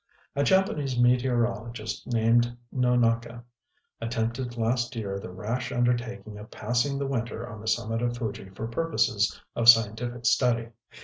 A Japanese meteorologist named Nonaka, attempted last year the rash undertaking of passing the winter on the summit of Fuji for purposes of scientific study.